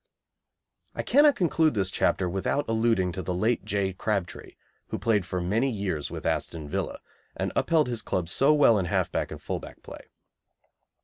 I cannot conclude this chapter without alluding to the late J. Crabtree, who played for many years with Aston Villa, and upheld his club so well in half back and full back play.